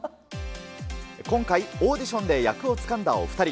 今回、オーディションで役をつかんだお２人。